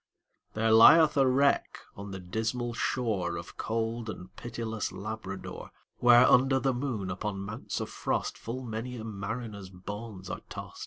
There lieth a wreck on the dismal shoreOf cold and pitiless Labrador; Where, under the moon, upon mounts of frost, Full many a mariner's bones are tost.